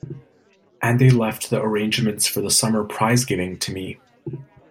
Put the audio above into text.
And they left the arrangements for the summer prize-giving to me.